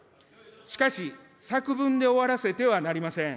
しかし、作文で終わらせてはなりません。